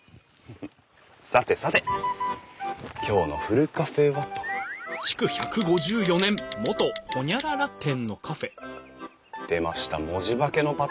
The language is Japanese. さてさて今日のふるカフェはと。出ました文字化けのパターン。